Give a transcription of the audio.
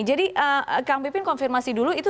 jadi kang pipin konfirmasi dulu